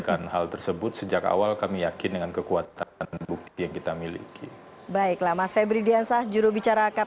saya akan menyampaikan hal tersebut sejak awal kami yakin dengan kekuatan bukti yang kita miliki